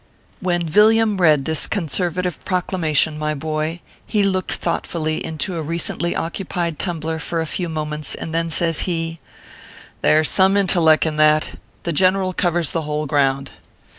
] When Villiam read this conservative proclamation, my boy, he looked thoughtfully into a recently occu pied tumbler for a few moments, and then says he :" There s some intelleck in that. The general covers the whole ground.